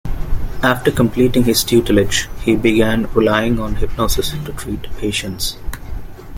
After completing his tutelage, he began relying on hypnosis to treat patients.